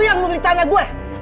lo yang beli tanah gue